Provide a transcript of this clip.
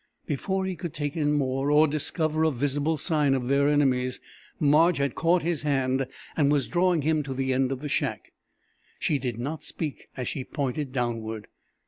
Before he could take in more, or discover a visible sign of their enemies, Marge had caught his hand and was drawing him to the end of the shack. She did not speak as she pointed downward.